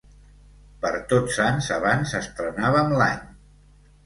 Per Tots Sants abans estrenàvem l'any.